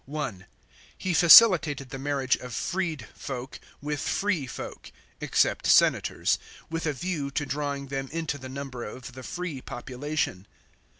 (1) He facilitated the marriage of freed folk with free folk (except senators), with a view to drawing them into the number of the free population.